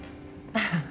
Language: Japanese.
ハハハ。